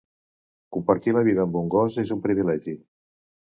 Compartir la vida amb un gos és un privilegi